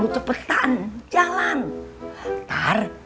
aku salah siapa